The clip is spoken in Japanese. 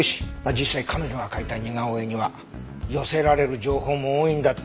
実際彼女が描いた似顔絵には寄せられる情報も多いんだって。